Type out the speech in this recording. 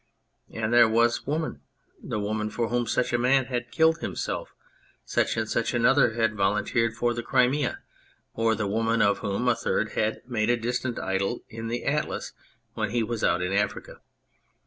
And there was woman, the woman, for whom such and such a man had killed himself, such and such another had volunteered for the Crimea ; or the woman of whom a third had made a distant idol in the \tlas when he was out in Africa.